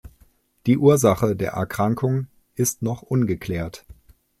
Die Ursache der Erkrankung ist noch ungeklärt.